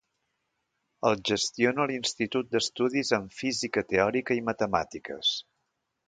El gestiona l'Institut d'Estudis en Física Teòrica i Matemàtiques.